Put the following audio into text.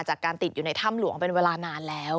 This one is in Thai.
จากการติดอยู่ในถ้ำหลวงเป็นเวลานานแล้ว